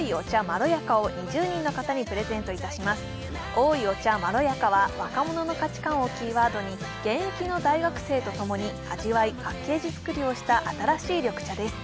おいお茶○やかは、若者の価値観をキーワードに現役の大学生とともに味わい・パッケージ作りをした新しい緑茶です